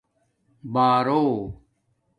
بݳرا